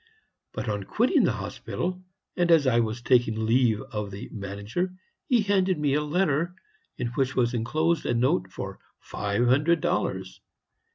But on quitting the hospital, and as I was taking leave of the manager, he handed me a letter, in which was enclosed a note for five hundred dollars.